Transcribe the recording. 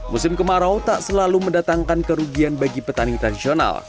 musim kemarau tak selalu mendatangkan kerugian bagi petani tradisional